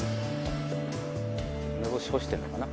梅干し干してるのかな。